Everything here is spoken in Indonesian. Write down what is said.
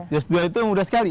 jos dua itu mudah sekali